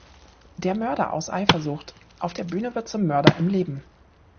Der Mörder aus Eifersucht auf der Bühne wird zum Mörder im Leben.